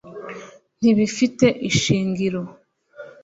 ntibifite ishingiro